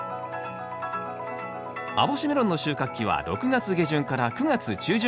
網干メロンの収穫期は６月下旬から９月中旬。